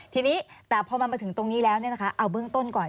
ทีนี้แต่พอมันมาถึงตรงนี้แล้วเอาเบื้องต้นก่อน